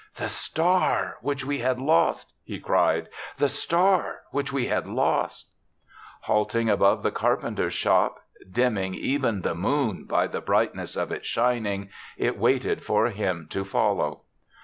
" The star which we had lost T' he cried. "The star which we had lost !" Halting above the carpenter's shop, dimming even the moon by the brightness of its shining, it waited for him to follow.